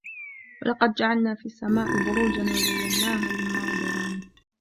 وَلَقَدْ جَعَلْنَا فِي السَّمَاءِ بُرُوجًا وَزَيَّنَّاهَا لِلنَّاظِرِينَ